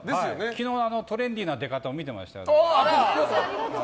昨日、トレンディーな出方見てましたよ。